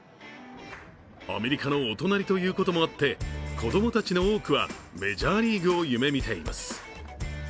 アメリカのお隣ということもあって子供たちの多くはメジャーリーグを夢みています。